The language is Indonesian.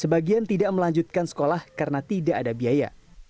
sebagian tidak melanjutkan sekolah karena tidak ada biaya